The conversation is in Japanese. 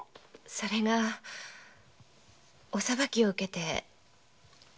それがお裁きを受けて大島に。